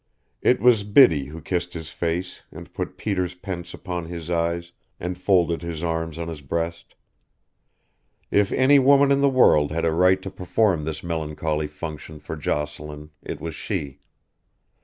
It was Biddy who kissed his face and put Peter's pence upon his eyes and folded his arms on his breast. If any woman in the world had a right to perform this melancholy function for Jocelyn it was she.